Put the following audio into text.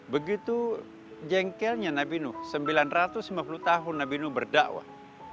begitu jengkelnya nabi nuh sembilan ratus lima puluh tahun nabi nuh berdakwah